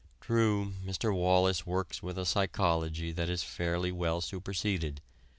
True, Mr. Wallas works with a psychology that is fairly well superseded.